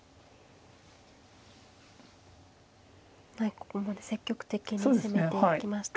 ここまで積極的に攻めていきましたけれども。